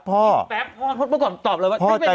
คิดแป๊บพ่อเพราะก่อนตอบเลยว่านี่เป็นดารา